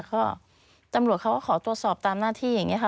ก็ตำรวจเขาก็ขอตรวจสอบตามหน้าที่อย่างนี้ค่ะ